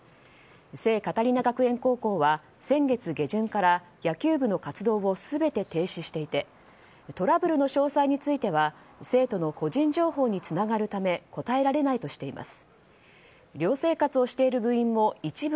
聖カタリナ学園高校は先月下旬から野球部の活動を全て停止していてトラブルの詳細については生徒の個人情報につながるため答えられないとしています。